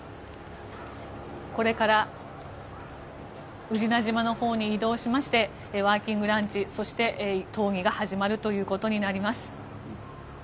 これから宇品島のほうに移動しましてワーキングランチ、そして討議が始まることになります。